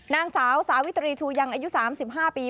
นางสาวสาวิตรีชูยังอายุ๓๕ปี